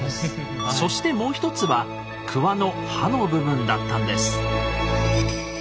そしてもう一つは鍬の刃の部分だったんです。